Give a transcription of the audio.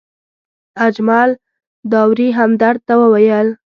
اجمل داوري همدرد ته وویل.